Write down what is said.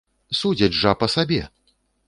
Судзяць жа па сабе!